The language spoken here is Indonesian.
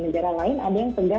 negara lain ada yang segar